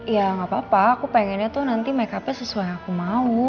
ya gapapa aku pengennya tuh nanti makeupnya sesuai yang aku mau